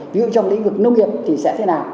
ví dụ trong lĩnh vực nông nghiệp thì sẽ thế nào